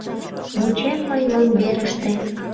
Вучем мый ломберыште.